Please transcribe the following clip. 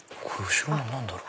後ろのは何だろう？